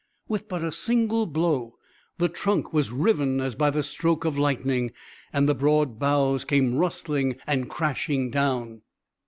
With but a single blow, the trunk was riven as by the stroke of lightning and the broad boughs came rustling and crashing down.